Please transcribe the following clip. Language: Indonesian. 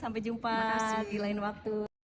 sampai jumpa di lain waktu